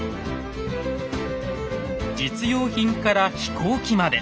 実用品から飛行機まで。